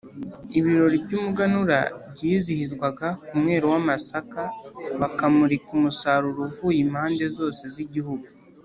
Ibirori by’umuganura byizihizwaga ku mwero w’amasaka, bakamurika umusaruro uvuye impande zose z’igihugu.